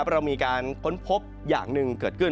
เรามีการค้นพบอย่างหนึ่งเกิดขึ้น